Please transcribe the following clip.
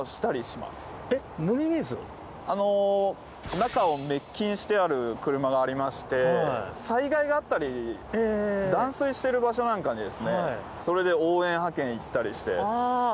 中を滅菌してある車がありまして災害があったり断水してる場所なんかにそれで応援派遣に行ったりして。